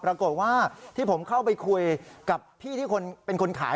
ปรากฏว่าที่ผมเข้าไปคุยกับพี่ที่เป็นคนขาย